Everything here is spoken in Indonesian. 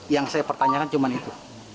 yang saya pertanyakan cuma itu